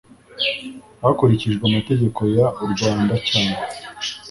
hakurikijwe amategeko y u rwanda cyangwa